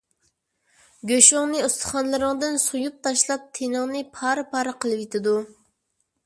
گۆشۈڭنى ئۇستىخانلىرىڭدىن سويۇپ تاشلاپ، تېنىڭنى پارە - پارە قىلىۋېتىدۇ.